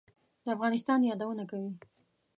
د افغانستان یادونه کوي.